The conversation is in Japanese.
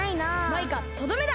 マイカとどめだ！